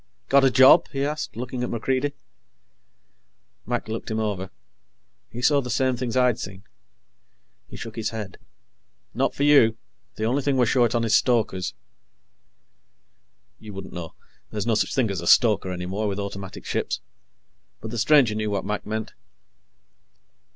"Got a job?" he asked, looking at MacReidie. Mac looked him over. He saw the same things I'd seen. He shook his head. "Not for you. The only thing we're short on is stokers." You wouldn't know. There's no such thing as a stoker any more, with automatic ships. But the stranger knew what Mac meant.